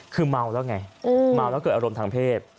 คือเมาแล้วไงเมาแล้วเกิดอารมณ์ทางเพศ